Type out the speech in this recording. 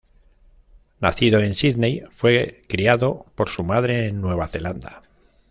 Nacido en Sídney, fue criado por su madre en Nueva Zelanda.